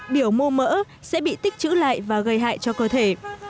biểu mô mỡ sẽ bị tích chữ lại và gây hại cho cơ thể